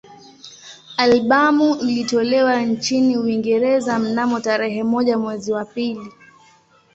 Albamu ilitolewa nchini Uingereza mnamo tarehe moja mwezi wa pili